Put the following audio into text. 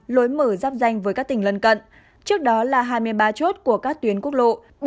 lối mở giáp danh với các tỉnh lân cận trước đó là hai mươi ba chốt của các tuyến quốc lộ